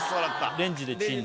レンジでチン。